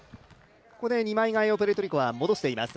ここで二枚替えをプエルトリコ、戻しています。